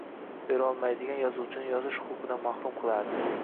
Berolmaydigan yozuvchini yozish huquqidan mahrum qilardi.